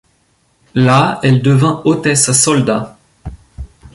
Là, elle devint hôtesse à soldats.